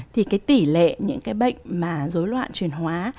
thì cái tỷ lệ những cái bệnh mà dối loạn truyền hóa